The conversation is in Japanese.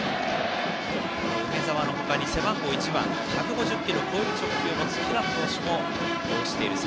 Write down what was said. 梅澤のほかに背番号１番１５０キロを超える平野投手もいます。